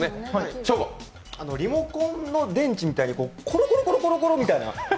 リモコンの電池みたいに、コロコロコロコロみたいな。